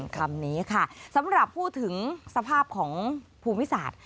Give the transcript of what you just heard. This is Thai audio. คำนี้ค่ะสำหรับพูดถึงสภาพของภูมิศาสตร์